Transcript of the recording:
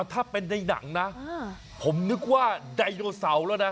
ถ้าเป็นในหนังนะผมนึกว่าไดโนเสาร์แล้วนะ